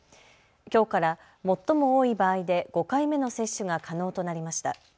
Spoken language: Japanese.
きょうから最も多い場合で５回目の接種が可能となりました。